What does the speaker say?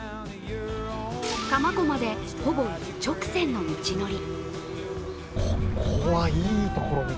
多摩湖までほぼ一直線の道のり。